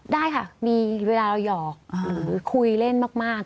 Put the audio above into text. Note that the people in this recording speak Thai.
ได้ค่ะมีเวลาเราหยอกหรือคุยเล่นมาก